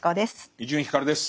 伊集院光です。